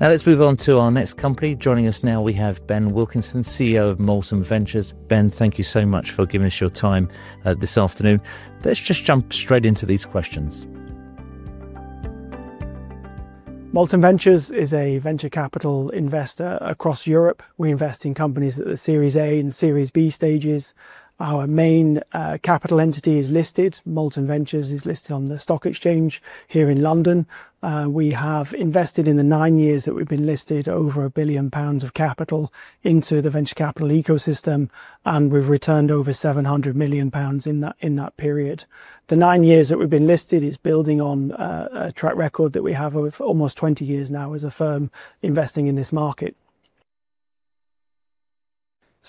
Now let's move on to our next company. Joining us now, we have Ben Wilkinson, CEO of Molten Ventures. Ben, thank you so much for giving us your time this afternoon. Let's just jump straight into these questions. Molten Ventures is a venture capital investor across Europe. We invest in companies at the Series A and Series B stages. Our main capital entity is listed. Molten Ventures is listed on the London Stock Exchange here in London. We have invested in the nine years that we've been listed over £1 billion of capital into the venture capital ecosystem, and we've returned over £700 million in that period. The nine years that we've been listed is building on a track record that we have of almost 20 years now as a firm investing in this market.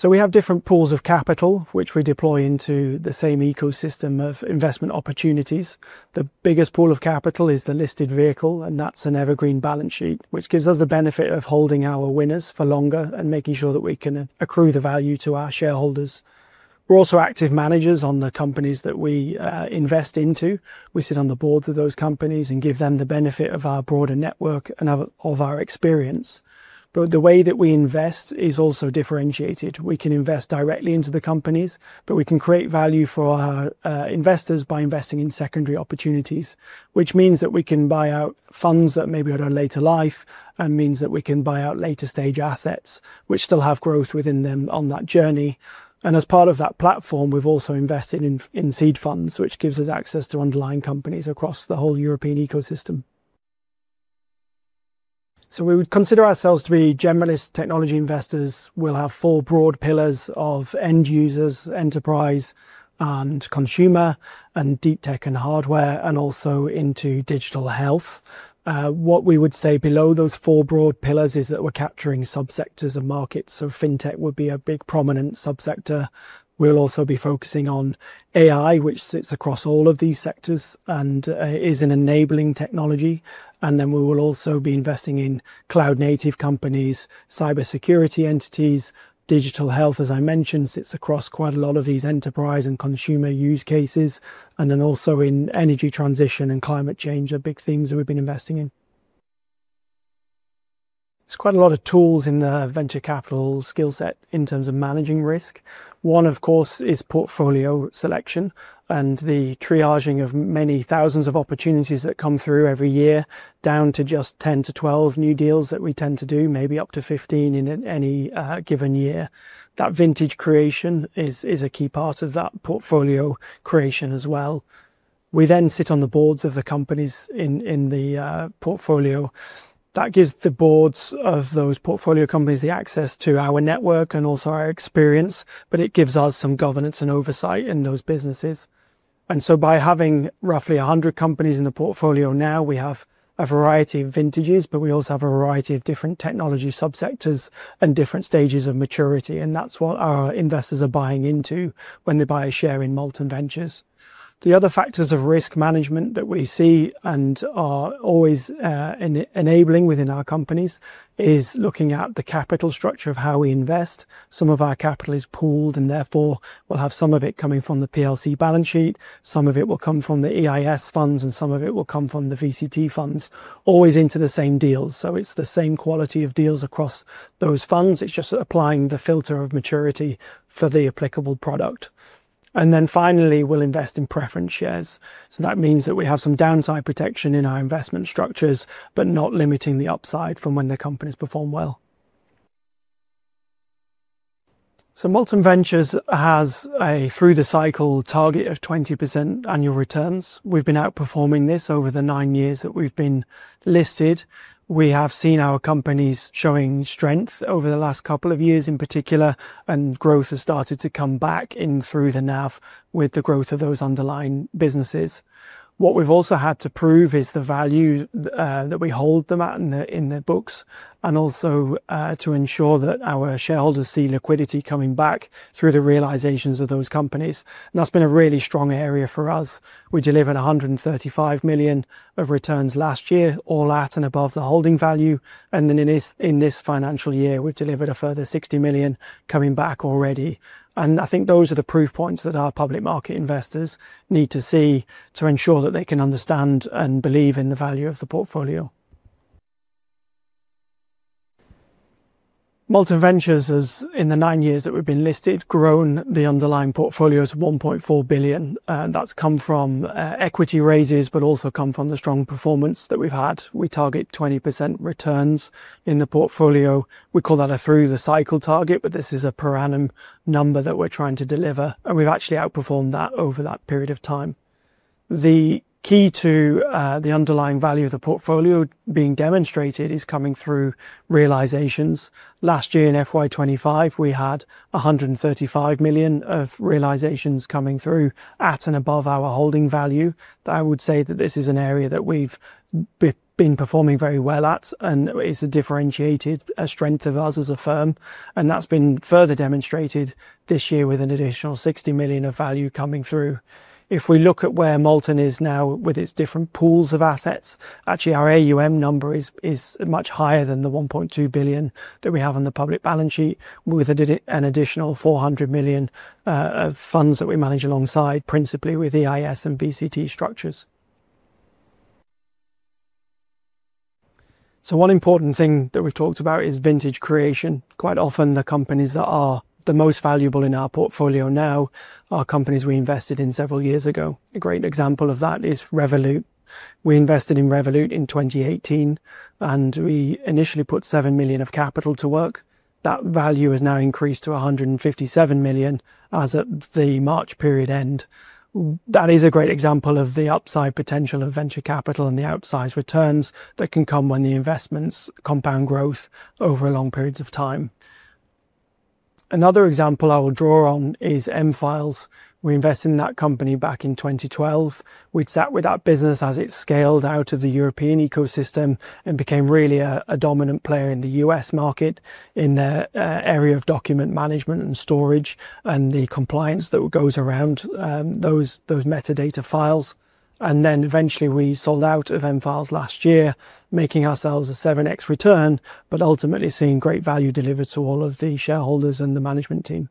We have different pools of capital, which we deploy into the same ecosystem of investment opportunities. The biggest pool of capital is the listed vehicle, and that's an evergreen balance sheet, which gives us the benefit of holding our winners for longer and making sure that we can accrue the value to our shareholders. We're also active managers on the companies that we invest into. We sit on the boards of those companies and give them the benefit of our broader network and of our experience. The way that we invest is also differentiated. We can invest directly into the companies, but we can create value for our investors by investing in secondary opportunities, which means that we can buy out funds that may be at a later life and means that we can buy out later stage assets, which still have growth within them on that journey. As part of that platform, we've also invested in seed funds, which gives us access to underlying companies across the whole European ecosystem. We would consider ourselves to be generalist technology investors. We'll have four broad pillars of end users, enterprise, and consumer, and deep tech and hardware, and also into digital health. What we would say below those four broad pillars is that we're capturing subsectors of markets. Fintech would be a big prominent subsector. We'll also be focusing on AI, which sits across all of these sectors and is an enabling technology. We will also be investing in cloud-native businesses, cybersecurity entities. Digital health, as I mentioned, sits across quite a lot of these enterprise and consumer use cases. Energy transition and climate change are big things that we've been investing in. There's quite a lot of tools in the venture capital skill set in terms of managing risk. One, of course, is portfolio selection and the triaging of many thousands of opportunities that come through every year, down to just 10 to 12 new deals that we tend to do, maybe up to 15 in any given year. That vintage creation is a key part of that portfolio creation as well. We then sit on the boards of the companies in the portfolio. That gives the boards of those portfolio companies the access to our network and also our experience, but it gives us some governance and oversight in those businesses. By having roughly 100 companies in the portfolio now, we have a variety of vintages, but we also have a variety of different technology subsectors and different stages of maturity, and that's what our investors are buying into when they buy a share in Molten Ventures. The other factors of risk management that we see and are always enabling within our companies are looking at the capital structure of how we invest. Some of our capital is pooled, and therefore we'll have some of it coming from the PLC balance sheet, some of it will come from the EIS funds, and some of it will come from the VCT funds, always into the same deals. It's the same quality of deals across those funds. It's just applying the filter of maturity for the applicable product. Finally, we'll invest in preference shares. That means that we have some downside protection in our investment structures, but not limiting the upside from when the companies perform well. Molten Ventures has a through-the-cycle target of 20% annual returns. We've been outperforming this over the nine years that we've been listed. We have seen our companies showing strength over the last couple of years in particular, and growth has started to come back in through the NAV with the growth of those underlying businesses. What we've also had to prove is the value that we hold them at in their books, and also to ensure that our shareholders see liquidity coming back through the realizations of those companies. That's been a really strong area for us. We delivered £135 million of returns last year, all at and above the holding value. In this financial year, we've delivered a further £60 million coming back already. I think those are the proof points that our public market investors need to see to ensure that they can understand and believe in the value of the portfolio. Molten Ventures has, in the nine years that we've been listed, grown the underlying portfolio to £1.4 billion. That's come from equity raises, but also come from the strong performance that we've had. We target 20% returns in the portfolio. We call that a through-the-cycle target, but this is a per annum number that we're trying to deliver, and we've actually outperformed that over that period of time. The key to the underlying value of the portfolio being demonstrated is coming through realizations. Last year in FY25, we had £135 million of realizations coming through at and above our holding value. I would say that this is an area that we've been performing very well at, and it's a differentiated strength of us as a firm. That's been further demonstrated this year with an additional £60 million of value coming through. If we look at where Molten Ventures is now with its different pools of assets, actually our AUM number is much higher than the £1.2 billion that we have on the public balance sheet, with an additional £400 million of funds that we manage alongside, principally with EIS and VCT funds. One important thing that we've talked about is vintage creation. Quite often, the companies that are the most valuable in our portfolio now are companies we invested in several years ago. A great example of that is Revolut. We invested in Revolut in 2018, and we initially put £7 million of capital to work. That value has now increased to £157 million as the March period ends. That is a great example of the upside potential of venture capital and the outsized returns that can come when the investments compound growth over long periods of time. Another example I will draw on is M-Files. We invested in that company back in 2012. We'd sat with that business as it scaled out of the European ecosystem and became really a dominant player in the U.S. market in their area of document management and storage and the compliance that goes around those metadata files. Eventually, we sold out of M-Files last year, making ourselves a 7x return, ultimately seeing great value delivered to all of the shareholders and the management team.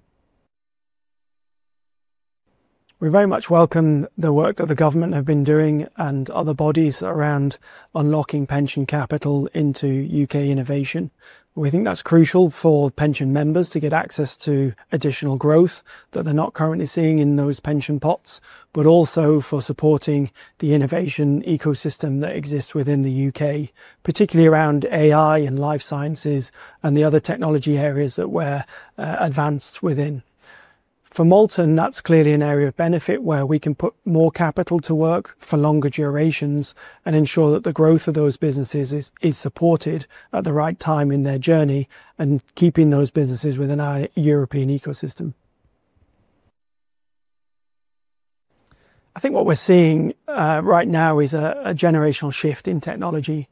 We very much welcome the work that the government have been doing and other bodies around unlocking pension capital into UK innovation. We think that's crucial for pension members to get access to additional growth that they're not currently seeing in those pension pots, but also for supporting the innovation ecosystem that exists within the UK, particularly around AI and life sciences and the other technology areas that we're advanced within. For Molten Ventures, that's clearly an area of benefit where we can put more capital to work for longer durations and ensure that the growth of those businesses is supported at the right time in their journey and keeping those businesses within our European ecosystem. I think what we're seeing right now is a generational shift in technology.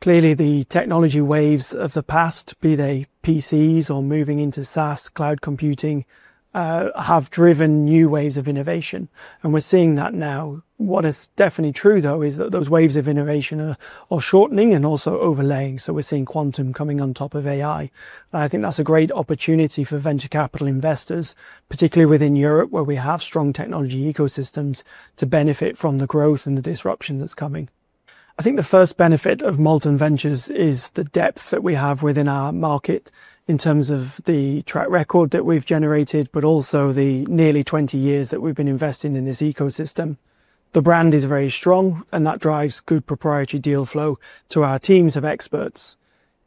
Clearly, the technology waves of the past, be they PCs or moving into SaaS cloud computing, have driven new waves of innovation, and we're seeing that now. What is definitely true, though, is that those waves of innovation are shortening and also overlaying. We're seeing quantum coming on top of AI. I think that's a great opportunity for venture capital investors, particularly within Europe where we have strong technology ecosystems, to benefit from the growth and the disruption that's coming. I think the first benefit of Molten Ventures is the depth that we have within our market in terms of the track record that we've generated, but also the nearly 20 years that we've been investing in this ecosystem. The brand is very strong, and that drives good proprietary deal flow to our teams of experts.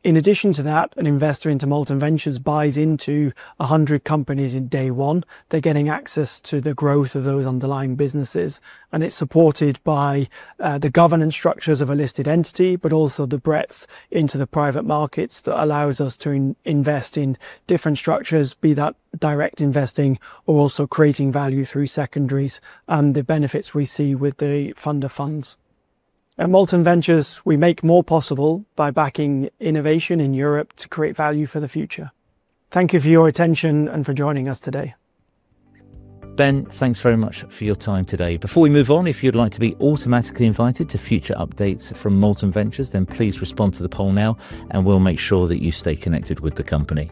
In addition to that, an investor into Molten Ventures buys into 100 companies in day one. They're getting access to the growth of those underlying businesses, and it's supported by the governance structures of a listed entity, but also the breadth into the private markets that allows us to invest in different structures, be that direct investing or also creating value through secondaries and the benefits we see with the fund of funds. At Molten Ventures, we make more possible by backing innovation in Europe to create value for the future. Thank you for your attention and for joining us today. Ben, thanks very much for your time today. Before we move on, if you'd like to be automatically invited to future updates from Molten Ventures, then please respond to the poll now, and we'll make sure that you stay connected with the company.